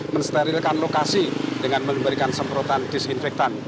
mensterilkan lokasi dengan memberikan semprotan disinfektan